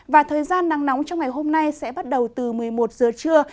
và thời gian nắng nóng trong ngày hôm nay sẽ bắt đầu từ một mươi một giờ trưa